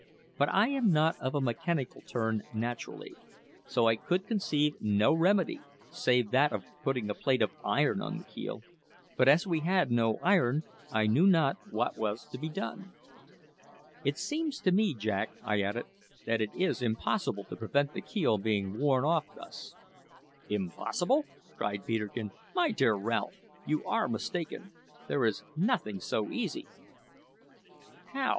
But I am not of a mechanical turn naturally, so I could conceive no remedy save that of putting a plate of iron on the keel; but as we had no iron, I knew not what was to be done. "It seems to me, Jack," I added, "that it is impossible to prevent the keel being worn off thus." "Impossible?" cried Peterkin. "My dear Ralph, you are mistaken; there is nothing so easy." "How?"